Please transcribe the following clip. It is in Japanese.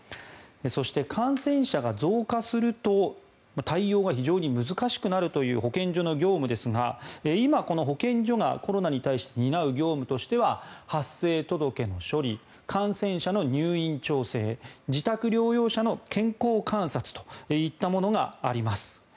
そして、感染者が増加すると対応が非常に難しくなるという保健所の業務ですが今、保健所がコロナに対して担う業務としては発生届の処理、感染者の入院調整自宅療養者の健康観察といったものがあります。